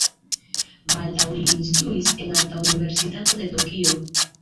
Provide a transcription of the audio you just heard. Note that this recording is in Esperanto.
Baldaŭ li instruis en Arta Universitato de Tokio.